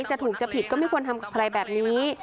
จะถูกจะผิดก็ไม่ควรทำกับใครแบบนี้